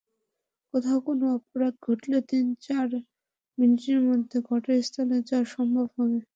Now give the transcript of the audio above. কোথাও কোনো অপরাধ ঘটলে তিন-চার মিনিটের মধ্যে ঘটনাস্থলে যাওয়া সম্ভব হবে।